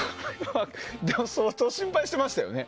相当心配してましたよね。